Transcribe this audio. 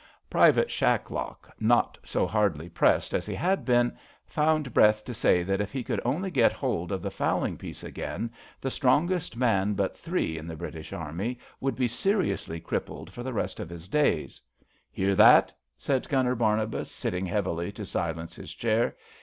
" THE LIKES 0' US 107 Private Shacklock, not so hardly pressed as he had been, found breath to say that if he could only get hold of the fowling piece again the stron gest man but three in the British Army would be seriously crippled for the rest of his days. Hear that! '' said Gunner Barnabas, sitting heavily to silence his chair.